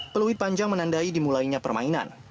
peluit panjang menandai dimulainya permainan